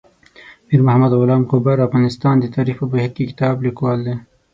میر محمد غلام غبار افغانستان د تاریخ په بهیر کې کتاب لیکوال دی.